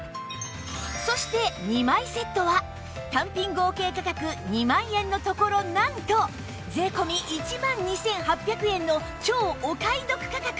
そして２枚セットは単品合計価格２万円のところなんと税込１万２８００円の超お買い得価格